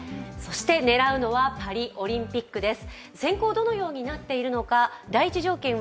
狙うのはパリオリンピックです。